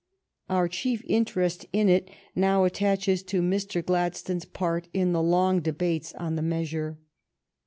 Our chief interest in it now attaches to Mr. Gladstone's part in the long debates on the measure.